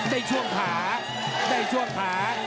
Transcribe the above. ได้ช่วงผา